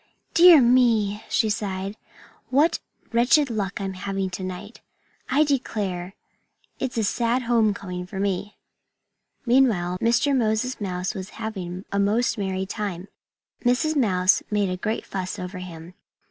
"Dear me!" she sighed. "What wretched luck I'm having to night! I declare, it's a sad home coming for me." Meanwhile Mr. Moses Mouse was having a most merry time. Mrs. Mouse made a great fuss over him.